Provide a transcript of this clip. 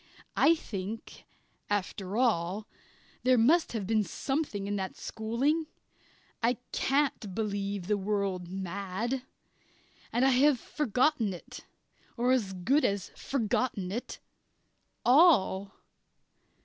I think, after all, there must have been something in that schooling. I can't believe the world mad. And I have forgotten it or as good as forgotten it all!